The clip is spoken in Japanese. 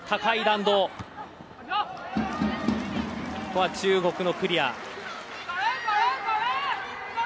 ここは中国のクリア。